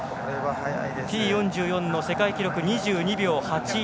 Ｔ４４の世界記録２２秒８１。